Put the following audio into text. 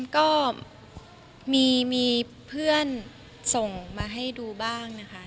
ก็มีเพื่อนส่งมาให้ดูบ้างนะคะ